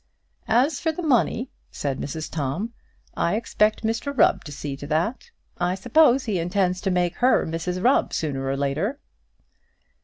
"As for the money," said Mrs Tom, "I expect Mr Rubb to see to that. I suppose he intends to make her Mrs Rubb sooner or later."